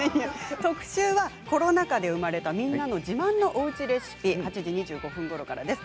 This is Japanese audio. コロナ禍で生まれたみんなの自慢のおうちレシピ８時ごろからです。